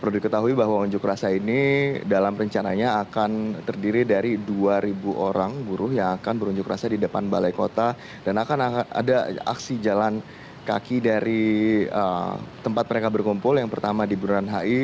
di tempat mereka berkumpul yang pertama di burunan hi